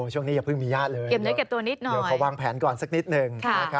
ช่วงนี้อย่าเพิ่งมีญาติเลยเดี๋ยวขอวางแผนก่อนสักนิดนึง